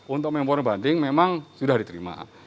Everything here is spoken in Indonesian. untuk mempor banding memang sudah diterima